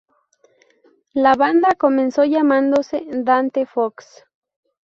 La banda comenzó llamándose "Dante Fox".